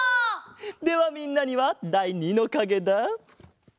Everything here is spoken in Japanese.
ではみんなにはだい２のかげだ。